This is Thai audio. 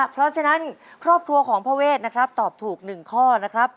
เพราะฉะนั้นครอบครัวของพ่อเวทนะครับตอบถูก๑ข้อนะครับ